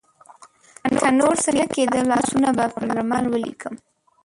که نورڅه نه کیده، لاسونه به پر لمر ولیکم